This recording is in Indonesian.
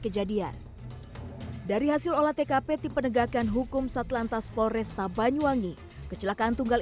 kejadian dari hasil olah tkp di penegakan hukum satlantas flores tabanyuwangi kecelakaan tunggal